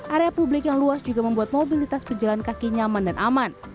area publik yang luas juga membuat mobilitas pejalan kaki nyaman dan aman